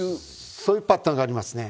そういうパターンがありますね。